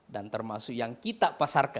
dan termasuk yang terjadi di era reformasi ini kan